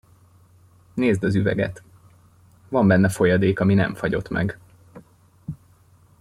Nézd az üveget. Van benne folyadék ami nem fagyott meg.